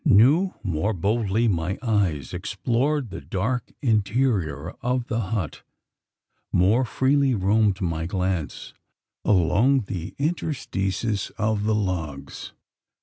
New more boldly my eyes explored the dark interior of the hut more freely roamed my glance along the interstices of the logs.